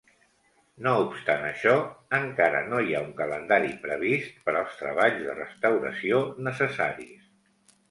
No obstant això, encara no hi ha un calendari previst per als treballs de restauració necessaris.